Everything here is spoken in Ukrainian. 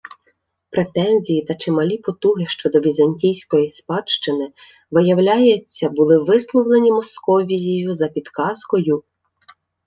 Претензії та чималі потуги щодо візантійської спадщини, виявляється, були висловлені Московією за підказкою